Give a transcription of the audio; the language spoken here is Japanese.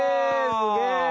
すげえ！